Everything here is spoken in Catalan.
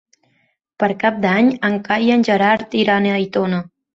Per Cap d'Any en Cai i en Gerard iran a Aitona.